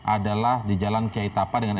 adalah di jalan kiai tapa dengan